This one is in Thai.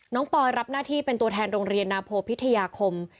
ปอยรับหน้าที่เป็นตัวแทนโรงเรียนนาโพพิทยาคม